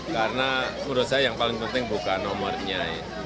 karena menurut saya yang paling penting bukan nomornya